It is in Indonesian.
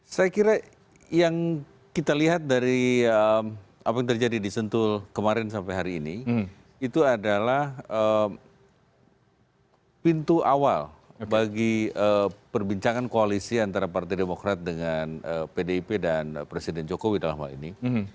saya kira yang kita lihat dari apa yang terjadi di sentul kemarin sampai hari ini itu adalah pintu awal bagi perbincangan koalisi antara partai demokrat dengan pdip dan presiden jokowi dalam hal ini